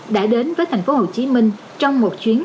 đã đến với thành phố hồ chí minh trong một chuyến